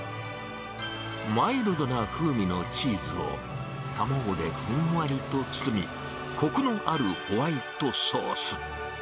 マイルドな風味のチーズを卵でふんわりと包み、こくのあるホワイトソース。